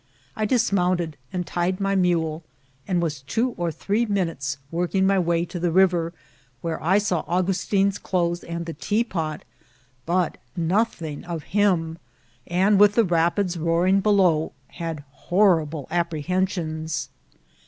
I dismoonted and tied my mule, and was two or three minutes working my way to the riyer, where I saw Angustin's ck>thes and the teapot, but nothing of him, and, with the rapids roaring bek>w, had horrible iqp{Nrehensi(His.